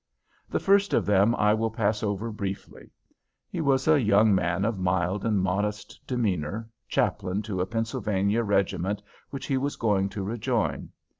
The first of them I will pass over briefly. He was a young man of mild and modest demeanor, chaplain to a Pennsylvania regiment, which he was going to rejoin.